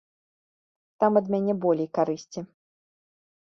Там ад мяне болей карысці.